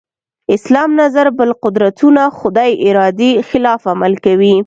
اسلام نظر بل قدرتونه خدای ارادې خلاف عمل کوي.